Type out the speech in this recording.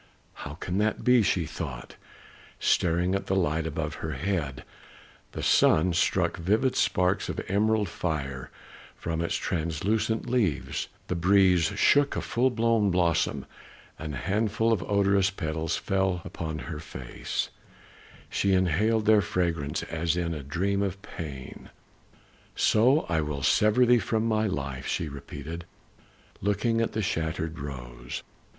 "How can that be," she thought, staring at the light branches of a rose tree that swayed from the trellis above her head; the sun struck vivid sparks of emerald fire from its translucent leaves, the breeze shook a full blown blossom, and a handful of the odorous petals fell upon her face. She inhaled their fragrance as in a dream of pain. "So I will sever thee from my life," she repeated, looking at the shattered rose.